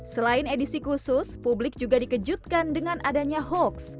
selain edisi khusus publik juga dikejutkan dengan adanya hoax